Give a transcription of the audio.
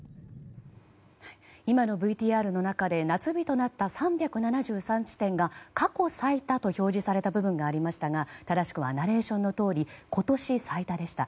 今のＶＴＲの中で夏日となった３７３地点が過去最多と表示された部分がありましたが正しくはナレーションのとおり今年最多でした。